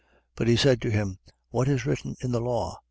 10:26. But he said to him: What is written in the law?